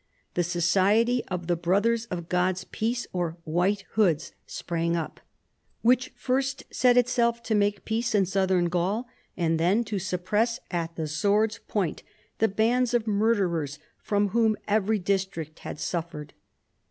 The Society of the Brothers of God's Peace, or White Hoods, sprang up, which first set itself to make peace in Southern Gaul, and then to suppress at the sword's point the bands of murderers from whom every district had suffered.